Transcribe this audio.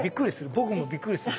僕もびっくりする。